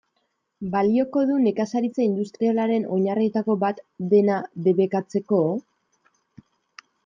Balioko du nekazaritza industrialaren oinarrietako bat dena debekatzeko?